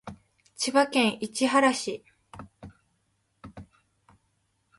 千葉県市原市